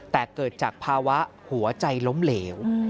แต่เกิดจากภาวะหัวใจล้มเหลว